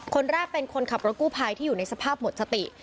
คนแรกเป็นคนขับรถกู้ภัยที่อยู่ในสภาพหมดสติ